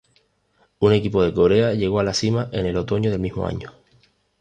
Un equipo de Corea llegó a la cima en el otoño del mismo año.